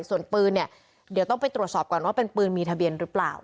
ส่วนปืนเนี่ยเดี๋ยวต้องไปตรวจสอบก่อนว่าเป็นปืนมีทะเบียนหรือเปล่า